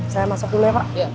saya masuk dulu ya pak